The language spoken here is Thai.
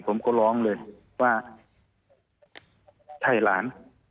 ผมก็ร้องเลยว่าใช่หลาน